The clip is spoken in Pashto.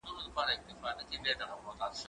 زه به اوږده موده ښوونځی ته تللی وم؟